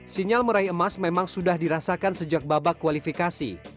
sinyal meraih emas memang sudah dirasakan sejak babak kualifikasi